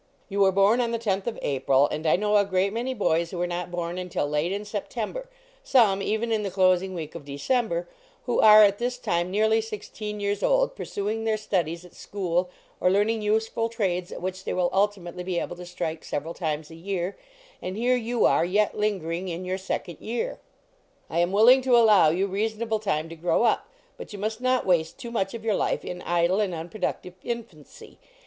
You were born on the tenth of April ; and I know a great many boys who were not born until late in September some, even in the closing week of December who are at this time nearly sixteen years old, pursuing their studies at school or learning useful trades at which they will ultimately be able to strike several times a year; and here you are, yet lingering in your second year. " I am willing to allow you reasonable time to grow up, but you must not waste too much of your life in idle and unproductive infancy.